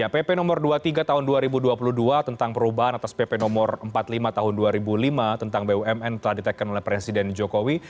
pp nomor dua puluh tiga tahun dua ribu dua puluh dua tentang perubahan atas pp no empat puluh lima tahun dua ribu lima tentang bumn telah diteken oleh presiden jokowi